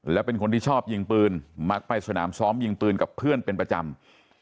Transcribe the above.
และเป็นคนที่ชอบยิงปืนมักไปสนามซ้อมยิงปืนกับเพื่อนเป็นประจำ